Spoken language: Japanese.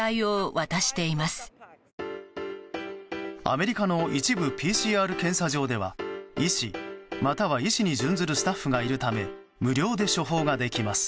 アメリカの一部ＰＣＲ検査場では医師、または医師に準ずるスタッフがいるため無料で処方ができます。